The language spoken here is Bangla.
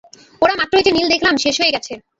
ওরা মাত্রই যে নিল দেখলাম, - শেষ হয়ে গেছে।